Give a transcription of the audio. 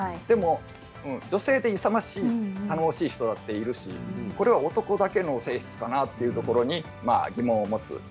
でも女性で勇ましい頼もしい人だっているしこれを男だけの性質かなというところに疑問を持つ。